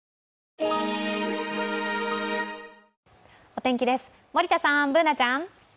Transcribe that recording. お天気です、森田さん、Ｂｏｏｎａちゃん。